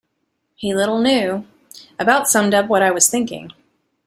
He little knew, about summed up what I was thinking.